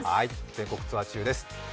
全国ツアー中です。